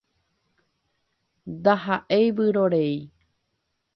Ndahaʼéi vyrorei.